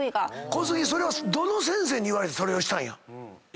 小杉それはどの先生に言われてそれをしたんや？